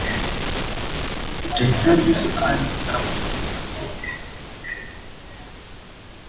utahitaji sukari gram mia hamsini